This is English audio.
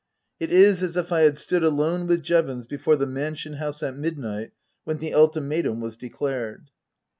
It is as if I had stood alone with Jevons before the Mansion House at midnight when the Ultimatum was declared.